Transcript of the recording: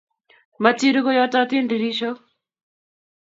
Matiruu konyototin tirishok